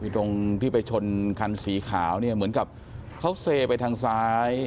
ตรงที่ไปชนคันสีขาวเนี่ยเหมือนกับเขาเซไปทางซ้าย